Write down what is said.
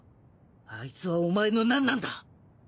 アイツはお前の何なんだ？